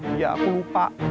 iya aku lupa